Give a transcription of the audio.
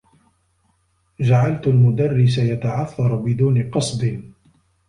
جعلت المدرّس يتعثّر بدون قصد.